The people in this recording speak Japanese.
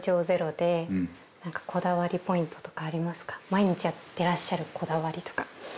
「毎日やってらっしゃるこだわりとか」